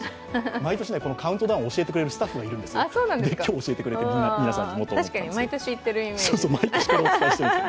毎年、カウントダウンを教えてくれるスタッフがいて今日、教えてくれたんですが。